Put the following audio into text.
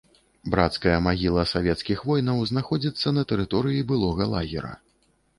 Брацкая магіла савецкіх воінаў знаходзіцца на тэрыторыі былога лагера.